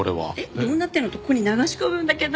「どうなってんの？」ってここに流し込むんだけど。